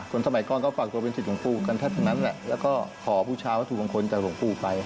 คนสมัยก้อนก็ฝากตัวเป็นศิษฐ์หลงปูกันแทบนั้นแหละแล้วก็ขอผู้ชาวธุวงคลจากหลงปูไป